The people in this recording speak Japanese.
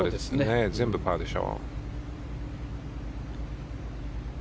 全部パーでしょ。